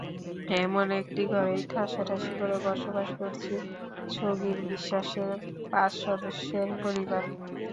এমন একটি ঘরেই ঠাসাঠাসি করে বসবাস করছে সগির বিশ্বাসের পাঁচ সদস্যের পরিবার।